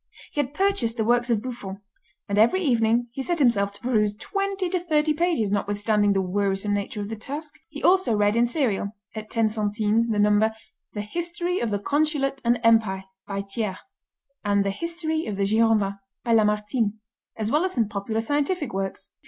He had purchased the works of Buffon, and, every evening, he set himself to peruse twenty to thirty pages, notwithstanding the wearisome nature of the task. He also read in serial, at 10 centimes the number, "The History of the Consulate and Empire" by Thiers, and "The History of the Girondins" by Lamartine, as well as some popular scientific works.